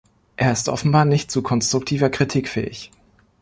Er ist offenbar nicht zu konstruktiver Kritik fähig.